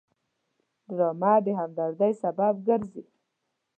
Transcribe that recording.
ډرامه د همدردۍ سبب ګرځي